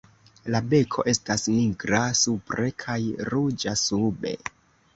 La beko estas nigra supre kaj ruĝa sube.